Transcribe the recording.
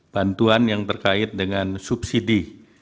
bantuan yang terkait dengan subsidi